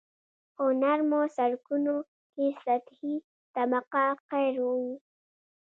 په نرمو سرکونو کې سطحي طبقه قیر وي